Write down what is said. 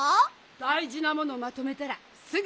だいじなものをまとめたらすぐいくわ。